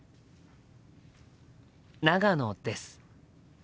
長野です。